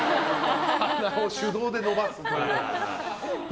鼻を手動で伸ばす。